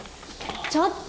ちょっと！